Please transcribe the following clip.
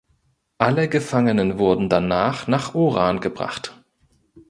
Alle Gefangenen wurden danach nach Oran gebracht.